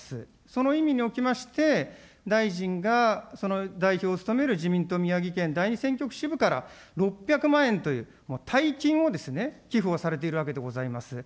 その意味におきまして、大臣がその代表を務める自民党宮城県第２選挙区支部から、６００万円という大金を寄付をされているわけでございます。